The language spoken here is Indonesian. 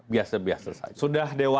biasa biasa saja sudah dewa